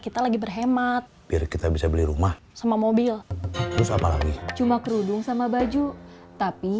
kita lagi berhemat kita bisa beli rumah sama mobil cuma kerudung sama baju tapi